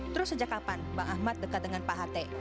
terus sejak kapan mbak ahmad dekat dengan pak hatte